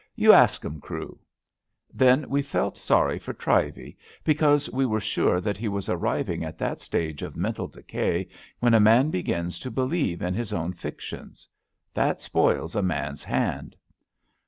You ask 'em, Crewe/* Then we felt sorry for Trivey, because we were sure that he was arriving at that stage of mental decay when a man begins to believe in his own fictions. That spoils a man's hand.